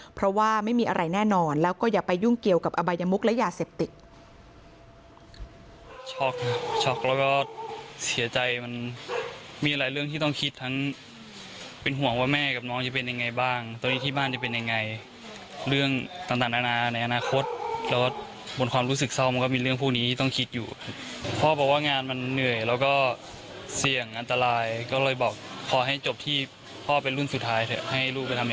เพราะว่าไม่มีอะไรแน่นอนแล้วก็อย่าไปยุ่งเกี่ยวกับอบายมุกและยาเสพติด